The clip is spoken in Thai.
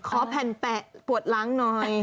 ขอแผ่นแปะปวดล้างหน่อย